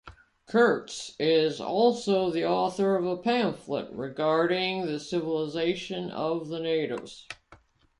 Kurtz is also the author of a pamphlet regarding the civilization of the natives.